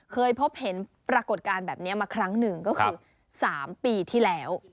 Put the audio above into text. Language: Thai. เคยพบเห็นปรากฏการณ์แบบนี้มาครั้งหนึ่งก็คือ๓ปีที่แล้ว